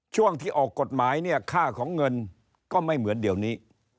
ช่วงที่ออกกฎหมายเนี่ยค่าของเงินก็ไม่เหมือนเดี๋ยวนี้